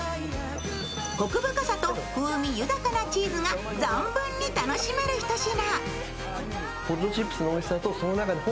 こく深さと風味豊かなチーズが存分に楽しめるひと品。